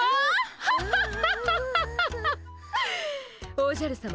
おじゃるさま